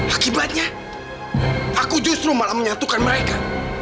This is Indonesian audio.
akibatnya aku justru malah menyatukan mereka